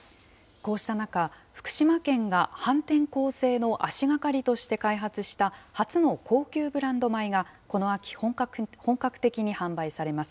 こうした中、福島県が反転攻勢の足がかりとして開発した初の高級ブランド米がこの秋、本格的に販売されます。